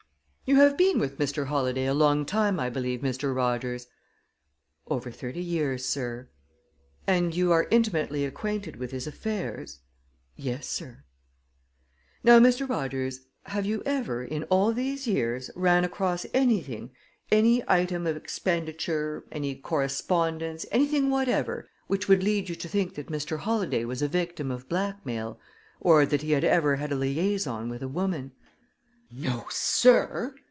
"You have been with Mr. Holladay a long time, I believe, Mr. Rogers?" "Over thirty years, sir." "And you are intimately acquainted with his affairs?" "Yes, sir." "Now, Mr. Rogers, have you ever, in all these years, ran across anything any item of expenditure, any correspondence, anything whatever which would lead you to think that Mr. Holladay was a victim of blackmail, or that he had ever had a liaison with a woman?" "No, sir!"